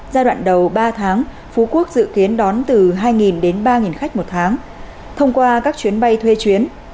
giai đoạn đầu ba tháng phú quốc dự kiến đón từ hai đến ba khách một tháng thông qua các chuyến bay thuê chuyến